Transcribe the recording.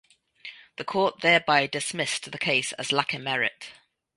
The Court thereby dismissed the case as lacking merit.